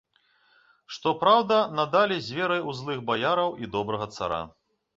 Што праўда, надалей з верай у злых баяраў і добрага цара.